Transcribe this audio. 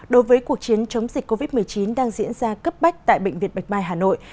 đối với cuộc chiến chống dịch covid một mươi chín đang diễn ra cấp bách tại bệnh viện bạch mai hà nội